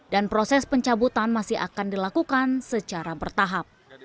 dan proses pencabutan masih akan dilakukan secara bertahap